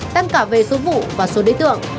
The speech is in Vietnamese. tăng cả về số vụ và số đối tượng